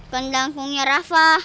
kan langkungnya rafa